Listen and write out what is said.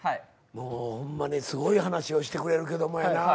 もうホンマにすごい話をしてくれるけどもやな。